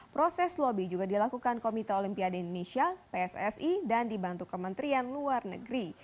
proses lobby juga dilakukan komite olimpiade indonesia pssi dan dibantu kementerian luar negeri